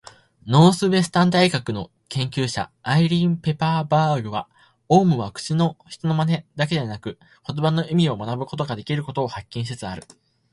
ノースウエスタン大学の研究者、アイリーン・ペパーバーグは、オウムは人の口まねをするだけでなく言葉の意味を学ぶことができることを発見しつつある。